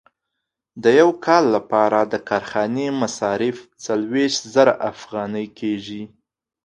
د یو کال لپاره د کارخانې مصارف څلوېښت زره افغانۍ کېږي